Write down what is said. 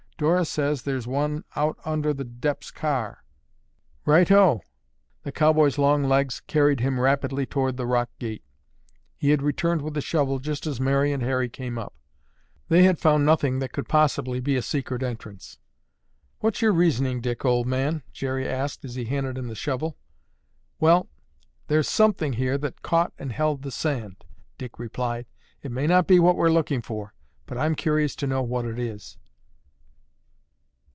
"Dora says there's one under the 'Dep's' car." "Righto." The cowboy's long legs carried him rapidly toward the rock gate. He had returned with the shovel just as Mary and Harry came up. They had found nothing that could possibly be a secret entrance. "What's your reasoning, Dick, old man?" Jerry asked as he handed him the shovel. "Well, there's something here that caught and held the sand," Dick replied. "It may not be what we're looking for but I'm curious to know what it is."